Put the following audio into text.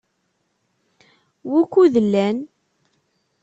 Wukud llan?